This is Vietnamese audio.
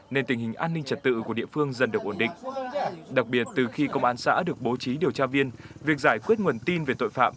nên tình hình an ninh trật tự của địa phương dần được ổn định